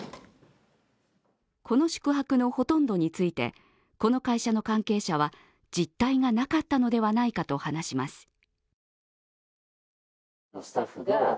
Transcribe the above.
この宿泊のほとんどについてこの会社の関係者は実態がなかったのではないかと話します。